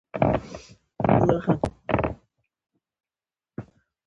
ته باید ځانته نوی مبایل واخلې